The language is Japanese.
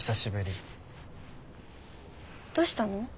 どうしたの？